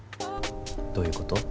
どういうこと？